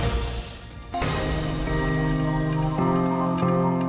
สวงไปอยู่ที่หองพักอยู่สมุนปาการ